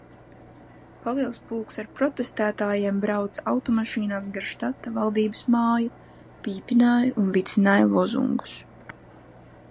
Paliels pulks ar protestētājiem brauca automašīnās gar štata valdības māju, pīpināja un vicināja lozungus.